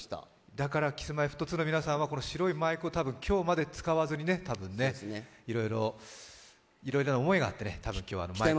だからＫｉｓ−Ｍｙ−Ｆｔ２の皆さんは、白いマイクを今日まで使わずにね、いろいろな思いがあって今日はあのマイクで。